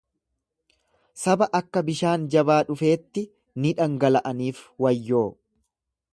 Saba akka bishaan jabaa dhufeetti ni dhangala'aniif wayyoo!